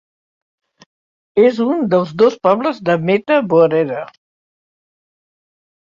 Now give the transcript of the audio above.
És un dels dos pobles de Meta woreda.